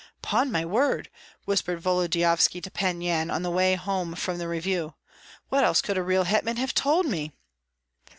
"'Pon my word!" whispered Volodyovski to Pan Yan on the way home from the review, "what else could a real hetman have told me?"